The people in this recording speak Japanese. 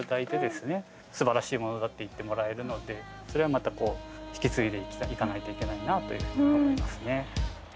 すばらしいものだって言ってもらえるのでそれはまたこう引き継いでいかないといけないなというふうに思いますね。